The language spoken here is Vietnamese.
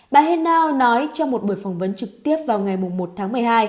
bà heno nói trong một buổi phỏng vấn trực tiếp vào ngày một tháng một mươi hai